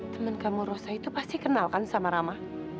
temen kamu rosa itu pasti kenal kan sama rama